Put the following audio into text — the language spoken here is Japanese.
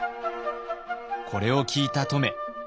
これを聞いた乙女。